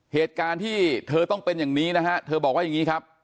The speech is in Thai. เหตุการณ์ที่เธอต้องเป็นอย่างนี้นะฮะเธอบอกว่าอย่างนี้ครับ